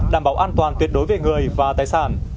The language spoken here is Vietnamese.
đảm bảo an toàn tuyệt đối về người và tài sản